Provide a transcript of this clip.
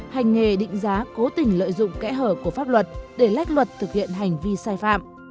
hành nghề định giá cố tình lợi dụng kẽ hở của pháp luật để lách luật thực hiện hành vi sai phạm